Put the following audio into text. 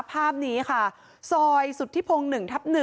ภาพนี้ค่ะซอยสุธิพงศ์๑ทับ๑